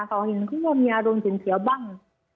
เขาเห็นเขาว่ามีอารมณ์ฉุนเขียวบ้าง